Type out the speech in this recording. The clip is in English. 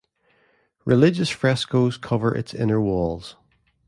Religious frescoes cover its inner walls.